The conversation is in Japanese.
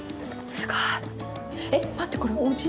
すごい！